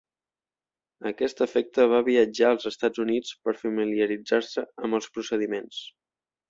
A aquest efecte va viatjar als Estats Units per familiaritzar-se amb els procediments.